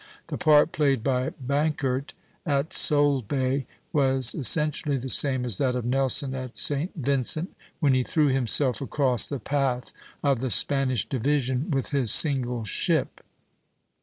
The part played by Bankert at Solebay was essentially the same as that of Nelson at St. Vincent, when he threw himself across the path of the Spanish division with his single ship (see Plate III.